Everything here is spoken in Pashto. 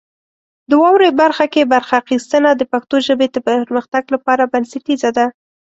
د واورئ برخه کې برخه اخیستنه د پښتو ژبې د پرمختګ لپاره بنسټیزه ده.